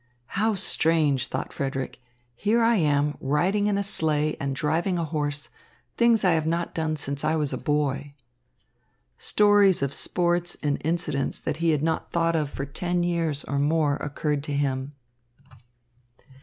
"How strange!" thought Frederick. "Here I am riding in a sleigh and driving a horse, things I have not done since I was a boy." Stories of sports and incidents that he had not thought of for ten years or more occurred to him.